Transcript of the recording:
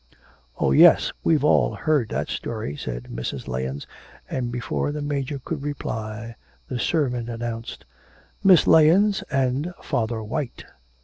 'Oh yes, we've all heard that story,' said Mrs. Lahens, and before the Major could reply the servant announced 'Miss Lahens and Father White.'